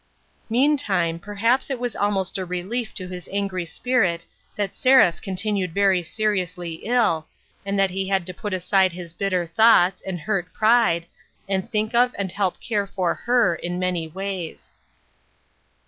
Meantime, perhaps it was almost a relief to his angry spirit that Seraph continued very seriously ill, and that he had to put aside his bitter thoughts, and hurt pride, and think of and help care for her in many ways.